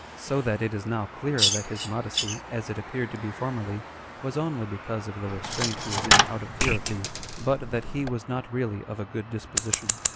So that it now is clear that his modesty, as it appeared to be formerly, was only because of the restraint he was in out of fear of thee, but that he was not really of a good disposition.